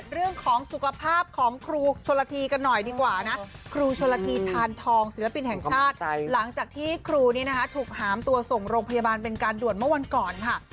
เรื่องของสุขภาพของครูชนละทีกันหน่อยดีกว่านะครูชนละทีทานทองศิลปินแห่งชาติหลังจากที่ครูนี้นะคะถูกหามตัวส่งโรงพยาบาลเป็นการด่วนเมื่อวันก่อนค่ะ